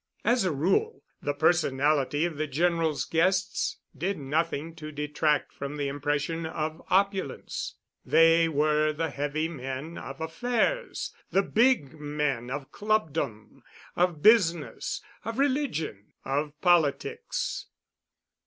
As a rule, the personality of the General's guests did nothing to detract from the impression of opulence. They were the heavy men of affairs, the big men of clubdom, of business, of religion, of politics.